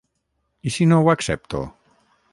I si no ho accepto?